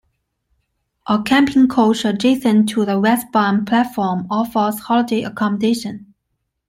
A camping coach adjacent to the westbound platform offers holiday accommodation.